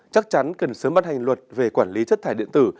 chắc chắn cần sớm bắt hành luật về quản lý chất thải điện tử